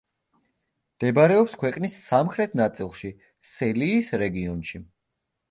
მდებარეობს ქვეყნის სამხრეთ ნაწილში, სელიის რეგიონში.